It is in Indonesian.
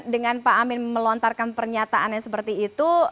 dengan pak amin melontarkan pernyataan yang seperti itu